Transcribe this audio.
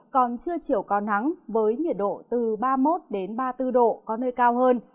còn trưa chiều có nắng với nhiệt độ từ ba mươi một ba mươi bốn độ có nơi cao hơn